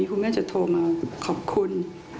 คุณแม่จะโทรมาขอบคุณ